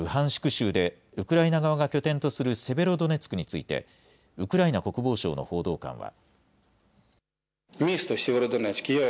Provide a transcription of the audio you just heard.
州でウクライナ側が拠点とするセベロドネツクについてウクライナ国防省の報道官は。